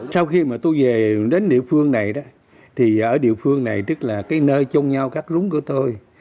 sau khi mà tôi về đến địa phương này đó thì ở địa phương này tức là cái nơi chung nhau cắt rúng của tôi